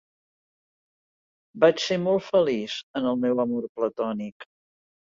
Vaig ser molt feliç en el meu amor platònic.